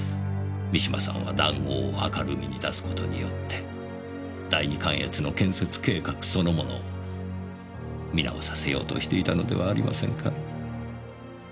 三島さんは談合を明るみに出すことによって第二関越の建設計画そのものを見直させようとしていたのではありませんか？